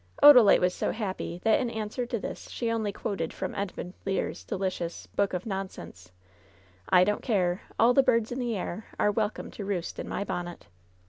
Odalite was so happy that in answer to this she only quoted from Edmund Lear's delicious "Book of Non sense'': ^T! don't care, All the birds in the air Are welcome to roost in my bonnet."